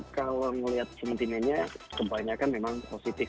kalau melihat sentimennya kebanyakan memang positif